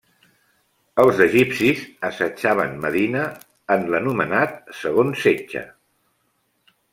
Els egipcis assetjaven Medina en l'anomenat segon setge.